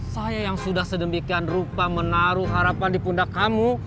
saya yang sudah sedemikian rupa menaruh harapan di pundak kamu